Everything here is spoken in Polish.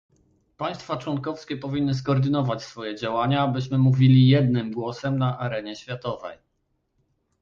Państwa członkowskie powinny skoordynować swoje działania, abyśmy mówili jednym głosem na arenie światowej